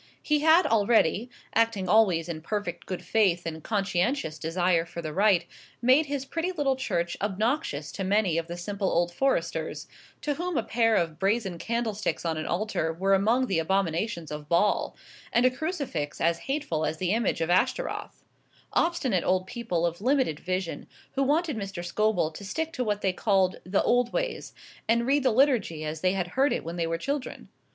He had already, acting always in perfect good faith and conscientious desire for the right, made his pretty little church obnoxious to many of the simple old Foresters, to whom a pair of brazen candlesticks on an altar were among the abominations of Baal, and a crucifix as hateful as the image of Ashtaroth; obstinate old people of limited vision, who wanted Mr. Scobel to stick to what they called the old ways, and read the Liturgy as they had heard it when they were children.